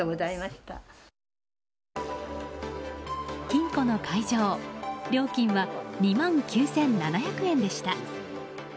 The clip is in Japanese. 金庫の解錠料金は２万９７００円でした。